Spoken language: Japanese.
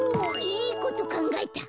いいことかんがえた。